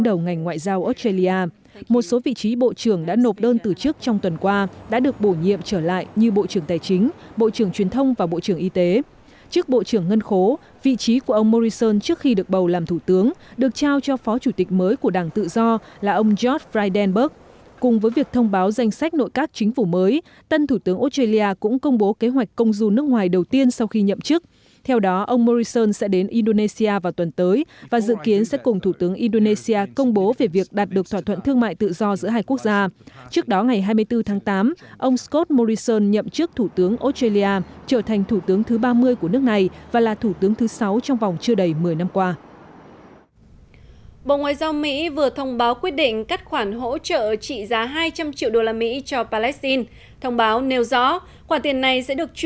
bộ ngoại giao mỹ vừa thông báo quyết định cắt khoản hỗ trợ trị giá hai trăm linh triệu đô la mỹ cho palestine thông báo nêu rõ khoản tiền này sẽ được chuyển sang các nơi khác phù hợp với lợi ích của mỹ